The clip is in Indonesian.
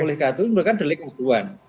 boleh diatasi bukan delik umum